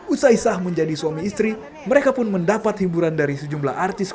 usai sah menjadi suami istri mereka pun mendapat hiburan dari sejumlah artis